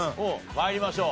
参りましょう。